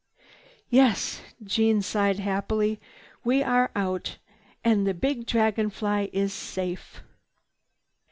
"Yes," Jeanne sighed happily. "We are out, and the big Dragon Fly is safe!"